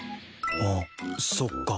あっそっか。